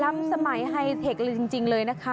ล้ำสมัยไฮเทคจริงเลยนะคะ